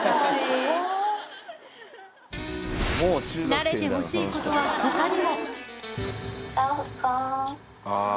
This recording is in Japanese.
慣れてほしいことはほかにも。